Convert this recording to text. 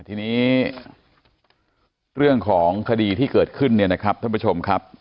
ทีนี้เรื่องของคดีที่เกิดขึ้นเนี่ยนะครับท่านผู้ชมครับ